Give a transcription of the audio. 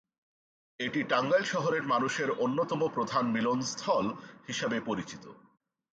এটি টাঙ্গাইল শহরের মানুষের অন্যতম প্রধান মিলনস্থল হিসেবে পরিচিত।